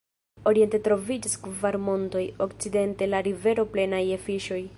Oriente troviĝas kvar montoj, okcidente la rivero plena je fiŝoj.